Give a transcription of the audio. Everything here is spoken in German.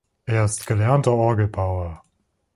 Er ist gelernter Orgelbauer.